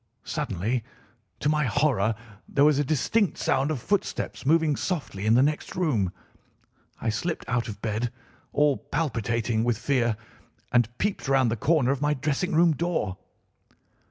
Suddenly, to my horror, there was a distinct sound of footsteps moving softly in the next room. I slipped out of bed, all palpitating with fear, and peeped round the corner of my dressing room door.